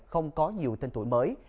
không có nhiều tên tuổi mới